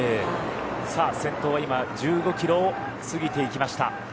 先頭は今、１５キロを過ぎていきました。